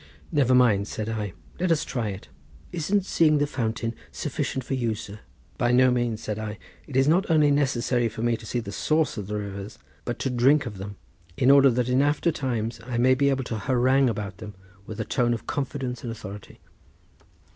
"Never mind," said I. "Let us try it." "Isn't seeing the fountain sufficient for you, sir?" "By no means," said I. "It is not only necessary for me to see the sources of the rivers, but to drink of them, in order that in after times I may be able to harangue about them with a tone of confidence and authority."